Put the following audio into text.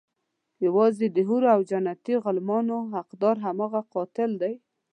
يوازې د حورو او جنتي غلمانو حقدار هماغه قاتل دی.